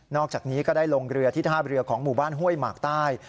อกจากนี้ก็ได้ลงเรือที่ท่าเรือของหมู่บ้านห้วยหมากใต้